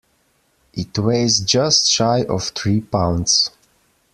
It weighs just shy of three pounds.